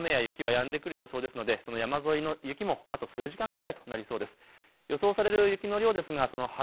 ただ日付が変わる前後には各地の雨や雪はやんでくる予想ですので山沿いの雪もあと数時間くらいとなりそうです。